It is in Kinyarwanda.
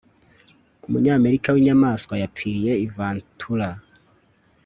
umunyamerika winyamanswa yapfiriye i ventura